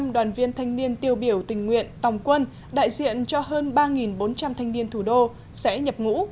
một trăm linh đoàn viên thanh niên tiêu biểu tình nguyện tòng quân đại diện cho hơn ba bốn trăm linh thanh niên thủ đô sẽ nhập ngũ